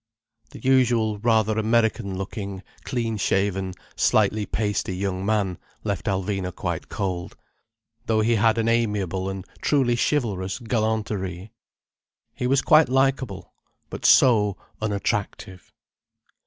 The usual rather American looking, clean shaven, slightly pasty young man left Alvina quite cold, though he had an amiable and truly chivalrous galanterie. He was quite likeable. But so unattractive.